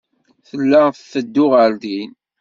Tella tetteddu ɣer din.